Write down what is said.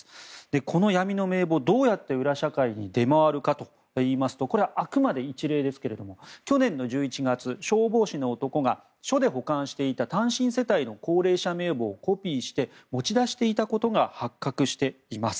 この闇の名簿、どうやって裏社会に出回るかといいますとこれ、あくまで一例ですが去年１１月、消防士の男が署で保管していた単身世帯の高齢者名簿をコピーして持ち出していたことが発覚しています。